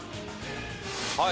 はい。